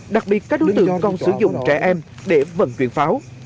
đặc biệt các đối tượng còn sử dụng trẻ em để vận chuyển pháo